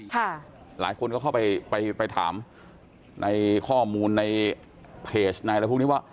หลายคนก็เข้าไปไปถามในข้อมูลในเพจในอะไรพวกนี้ว่า